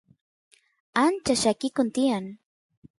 ancha llakikun tiyan